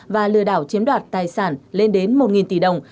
và lừa đảo chiếm đoạt tài sản lên đến một tỷ đồng